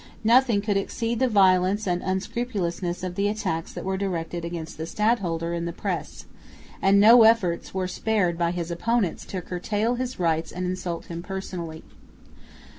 Nothing could exceed the violence and unscrupulousness of the attacks that were directed against the stadholder in the press; and no efforts were spared by his opponents to curtail his rights and to insult him personally.